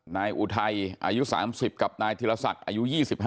นายอูไทยอายุ๓๐กับนายธิรษัทอายุ๒๕